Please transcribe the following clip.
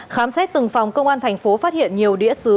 khám xét từng phòng công an thành phố phát hiện nhiều đĩa xứ